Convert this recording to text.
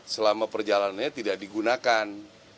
selama perjalanannya tidak digunakan